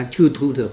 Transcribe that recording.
chưa thu thập